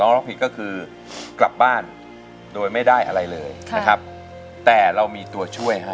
ร้องผิดก็คือกลับบ้านโดยไม่ได้อะไรเลยนะครับแต่เรามีตัวช่วยให้